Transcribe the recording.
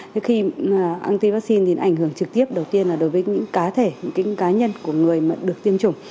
thế khi anti vaccine thì nó ảnh hưởng trực tiếp đầu tiên là đối với những cá thể những cái cá nhân của người mà được tiêm chủng